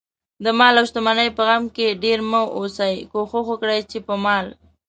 دمال اوشتمنۍ په غم کې ډېر مه اوسئ، کوښښ وکړئ، چې په مال